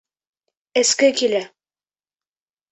Эске килә.